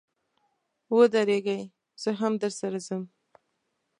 و درېږئ، زه هم درسره ځم.